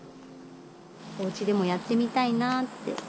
「おうちでもやってみたいな」